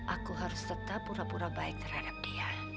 aku harus tetap pura pura baik terhadap dia